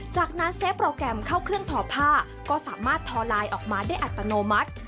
จากนั้นเซฟโปรแกรมเข้าเครื่องทอผ้าก็สามารถทอไลน์ออกมาได้อัตโนมัติ